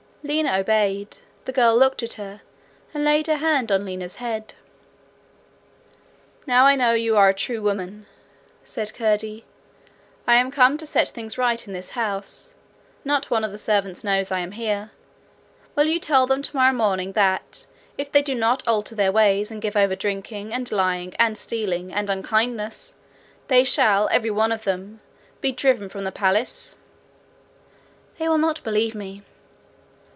Lina obeyed. The girl looked at her, and laid her hand on Lina's head. 'Now I know you are a true woman,' said curdie. 'I am come to set things right in this house. Not one of the servants knows I am here. Will you tell them tomorrow morning that, if they do not alter their ways, and give over drinking, and lying, and stealing, and unkindness, they shall every one of them be driven from the palace?' 'They will not believe me.'